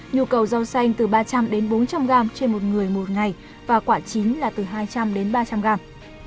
nhu cầu rau xanh từ ba trăm linh bốn trăm linh gram trên một người một ngày và quả chín là từ hai trăm linh đến ba trăm linh gram